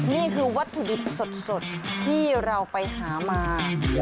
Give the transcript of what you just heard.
นี่คือวัตถุดิบสดที่เราไปหามา